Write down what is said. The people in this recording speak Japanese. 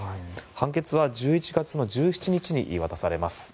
判決は１１月１７日に言い渡されます。